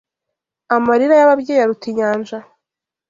Amarira y,ababyeyi aruta inyanja